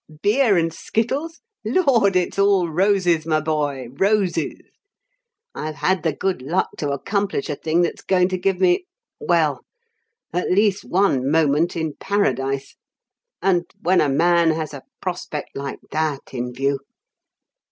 "Beer and skittles? Lord, it's all roses my boy, roses! I've had the good luck to accomplish a thing that's going to give me well, at least one moment in Paradise and when a man has a prospect like that in view